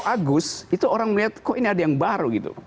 agus itu orang melihat kok ini ada yang baru gitu